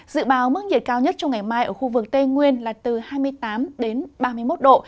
dự báo mức nhiệt cao nhất trong ngày mai ở khu vực tây nguyên là từ hai mươi tám đến ba mươi một độ